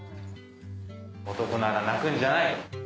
男なら泣くんじゃない。